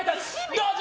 どうぞ！